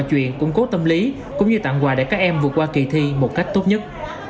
chuyện củng cố tâm lý cũng như tặng quà để các em vượt qua kỳ thi một cách tốt nhất